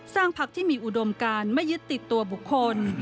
พักที่มีอุดมการไม่ยึดติดตัวบุคคล